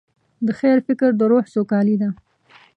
د خیر فکر د روح سوکالي ده.